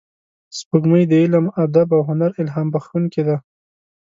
سپوږمۍ د علم، ادب او هنر الهام بخښونکې ده